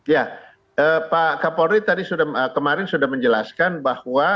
ya pak kapolri tadi sudah kemarin sudah menjelaskan bahwa